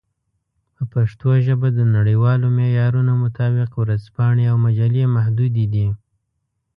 په پښتو ژبه د نړیوالو معیارونو مطابق ورځپاڼې او مجلې محدودې دي.